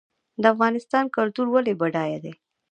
د افغانستان کلتور ولې بډای دی؟